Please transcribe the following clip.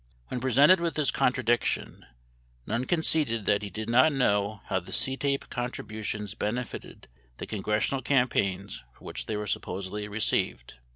When presented with this contradiction, Nunn conceded that he did not know how the CTAPE contributions benefited the congres sional campaigns for which they were supposedly received.